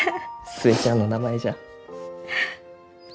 寿恵ちゃんの名前じゃ。